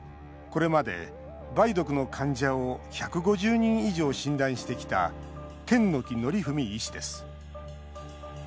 これまで梅毒の患者を１５０人以上、診断してきた剣木憲文医師です。